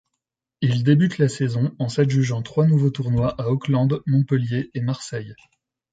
Il débute la saison en s'adjugeant trois nouveaux tournois à Auckland, Montpellier et Marseille.